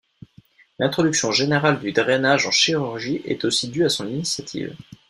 L'introduction générale du drainage en chirurgie est aussi due à son initiative.